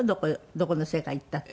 どこの世界行ったって。